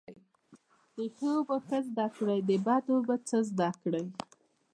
د ښو به ښه زده کړی، د بدو به څه زده کړی